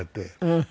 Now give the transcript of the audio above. うん。